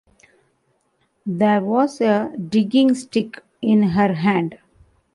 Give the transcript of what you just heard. There was a digging stick in her hand.